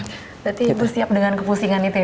berarti ibu siap dengan kepusingan itu ya